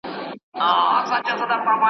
خو حیرانه یم چي دا دعدل کور دی ,